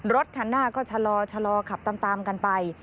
รถคันหน้าก็ชะลอขับตามกันไป